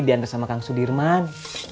diantar sama kang sudirman